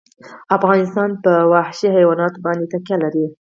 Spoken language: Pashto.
افغانستان په وحشي حیوانات باندې تکیه لري.